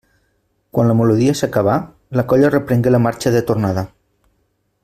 Quan la melodia s'acabà, la colla reprengué la marxa de tornada.